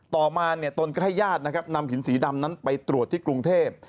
ต่อมาตนก็ให้ญาตินะครับนำหินสีดำนั้นไปตรวจที่กรุงเทพ